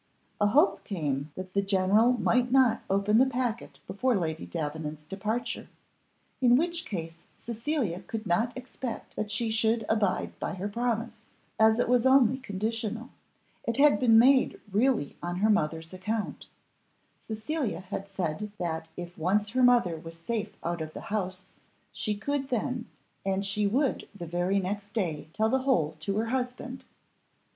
A hope came that the general might not open the packet before Lady Davenant's departure, in which case Cecilia could not expect that she should abide by her promise, as it was only conditional. It had been made really on her mother's account; Cecilia had said that if once her mother was safe out of the house, she could then, and she would the very next day tell the whole to her husband.